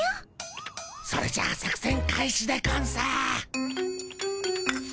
それじゃあ作せん開始でゴンス。